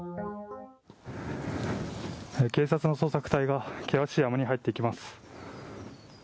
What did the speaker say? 警察の捜索隊が険しい山に入っていきます。